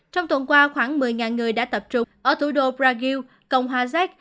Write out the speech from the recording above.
trong tuần qua khoảng một mươi người đã tập trung ở thủ đô brazil cộng hòa giác